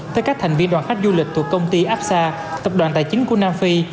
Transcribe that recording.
tới các thành viên đoàn khách du lịch thuộc công ty apsa tập đoàn tài chính của nam phi